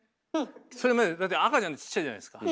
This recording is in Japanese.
それまでだって赤ちゃんってちっちゃいじゃないですか。